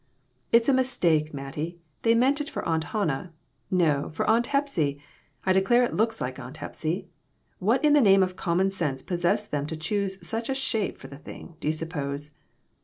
"It's a mistake, Mattie; they mean it for Aunt Hannah ; no, for Aunt Hepsy. I declare it looks like Aunt Hepsy ! What in the name of common sense possessed them to choose such a shape for the thing, do you suppose